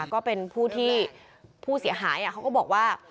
ก็เป็นผู้ที่ผู้เสียหายเขาก็บอกว่า